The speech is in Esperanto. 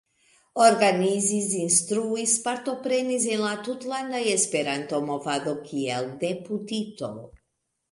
Organizis, instruis, partoprenis en la tutlanda esperanto-movado kiel deputito.